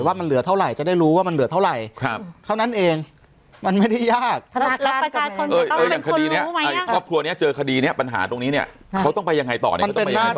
ว่ามันเหลือเท่าไหร่จะได้รู้ว่ามันเหลือเท่าไหร่เท่านั้นเองมันไม่ได้ยากแล้วประชาชนต้องเป็นคนรู้ไหม